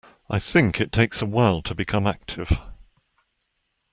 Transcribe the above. I think it takes a while to become active.